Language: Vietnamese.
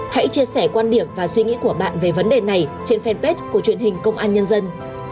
hãy chia sẻ quan điểm và suy nghĩ của bạn về vấn đề này trên fanpage của truyền hình công an nhân dân